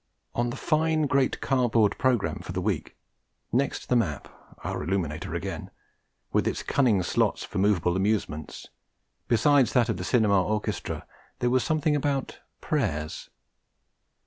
On the fine great cardboard programme for the week (next the map: our Illuminator again), with its cunning slots for moveable amusements, besides that of the Cinema Orchestra there was something about Prayers.